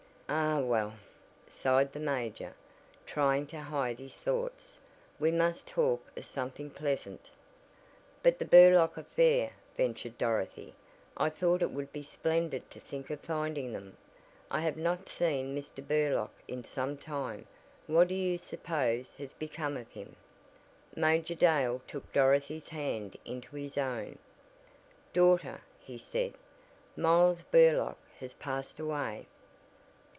"Ah, well!" sighed the major, trying to hide his thoughts, "we must talk of something pleasant." "But the Burlock affair," ventured Dorothy. "I thought it would be splendid to think of finding them. I have not seen Mr. Burlock in some time. What do you suppose has become of him?" Major Dale took Dorothy's hand into his own. "Daughter," he said, "Miles Burlock has passed away."